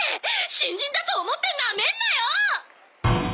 新人だと思ってナメんなよ！！